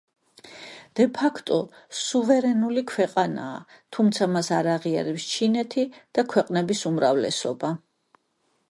დე-ფაქტო სუვერენული ქვეყანაა, თუმცა მას არ აღიარებს ჩინეთი და ქვეყნების უმრავლესობა.